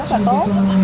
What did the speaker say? rất là tốt